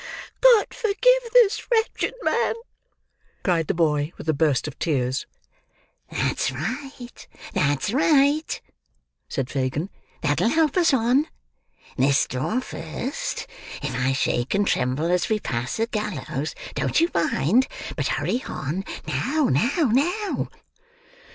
God forgive this wretched man!" cried the boy with a burst of tears. "That's right, that's right," said Fagin. "That'll help us on. This door first. If I shake and tremble, as we pass the gallows, don't you mind, but hurry on. Now, now, now!"